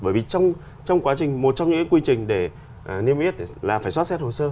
bởi vì trong quá trình một trong những quy trình để niêm yết là phải xót xét hồ sơ